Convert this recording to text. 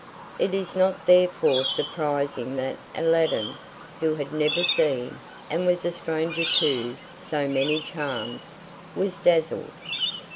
It is not therefore surprising that Aladdin, who had never seen, and was a stranger to, so many charms, was dazzled.